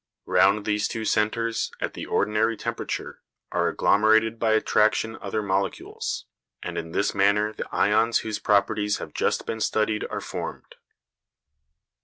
Round these two centres, at the ordinary temperature, are agglomerated by attraction other molecules, and in this manner the ions whose properties have just been studied are formed.